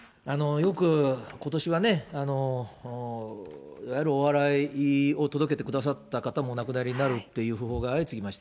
よく、ことしはね、いわゆるお笑いを届けてくださった方もお亡くなりという訃報が相次ぎました。